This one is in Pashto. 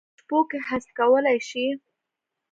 ورځې په شپو کې حذف کولای شي؟